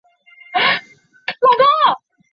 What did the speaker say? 是当地的一个重要的文化中心。